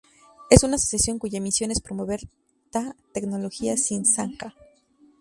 Es una asociación cuya misión es promover ta tecnología sin zanja.